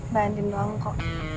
bandin doang kok